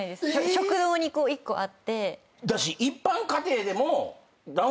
食堂に１個あって。